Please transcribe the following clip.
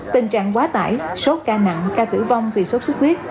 tình trạng quá tải sốt ca nặng ca tử vong vì sốt sức huyết